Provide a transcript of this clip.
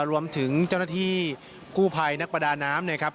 รวมถึงเจ้าหน้าที่กู้ภัยนักประดาน้ำนะครับ